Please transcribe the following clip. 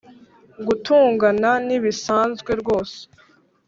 gutungana ntibisanzwe rwose